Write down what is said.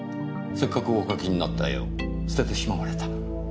せっかくお描きになった絵を捨ててしまわれた？